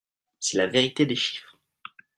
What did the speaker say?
C’est la vérité des chiffres.